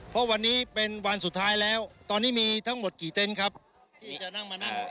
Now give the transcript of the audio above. เพราะวันนี้เป็นวันสุดท้ายแล้วตอนนี้มีทั้งหมดกี่เต็นต์ครับที่จะนั่งมานั่ง